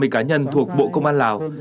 ba mươi cá nhân thuộc bộ công an lào